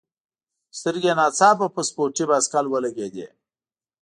سترګي یې نا ځاپه په سپورټي بایسکل ولګېدې.